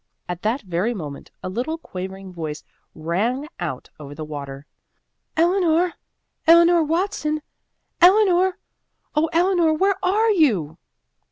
At that very moment a little quavering voice rang out over the water. "Eleanor! Eleanor Watson! Eleanor! Oh, Eleanor, where are you?"